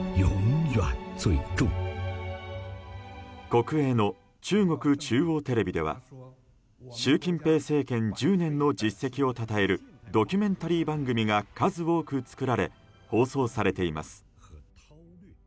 国営の中国中央テレビでは習近平政権１０年の実績をたたえるドキュメンタリー番組が数多く作られ放送されています。